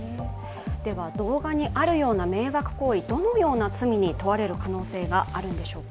動画にあるような迷惑行為、どのような罪に問われる可能性があるんでしょうか。